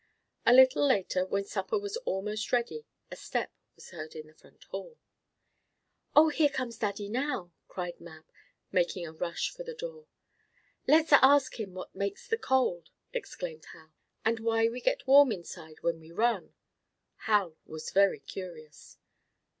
A little later, when supper was almost ready, a step was heard in the front hall. "Oh, here comes Daddy now!" cried Mab, making a rush for the door. "Let's ask him what makes the cold," exclaimed Hal, "and why we get warm inside when we run." Hal was very curious.